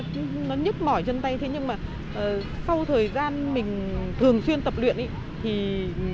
tôi thấy nó nhức mỏi chân tay thế nhưng mà sau thời gian mình thường xuyên tập luyện